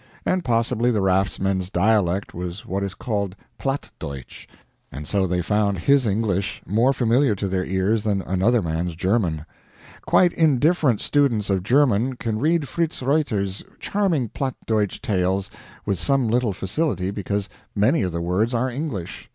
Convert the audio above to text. And possibly the raftsmen's dialect was what is called PLATT DEUTSCH, and so they found his English more familiar to their ears than another man's German. Quite indifferent students of German can read Fritz Reuter's charming platt Deutch tales with some little facility because many of the words are English.